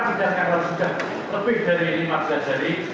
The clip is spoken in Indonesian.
penggunaan yang harus ditunda lebih dari lima belas jari